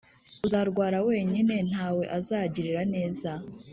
uzarwara wenyine ntawe azagirira neza.